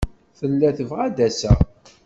Tella tebɣa ad d-aseɣ.